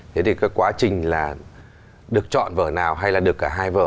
thế thì cái quá trình là được chọn vở nào hay là được cả hai vở